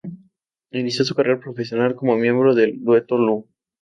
Inició su carrera profesional como miembro del dueto Lu.